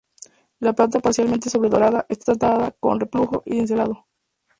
La plata parcialmente sobredorada está tratada con repujado y cincelado.